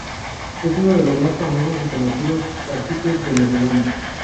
Es uno de los más famosos y conocidos caciques venezolanos.